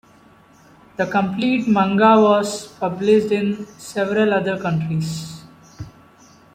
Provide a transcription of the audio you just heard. The complete manga was published in several other countries.